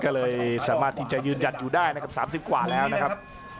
ก็เลยสามารถที่จะยืนยันอยู่ได้นะครับ๓๐กว่าแล้วนะครับ